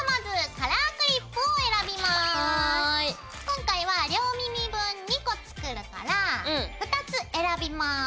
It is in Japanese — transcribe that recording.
今回は両耳分２個作るから２つ選びます。